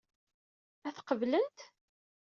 Ad t-qeblent?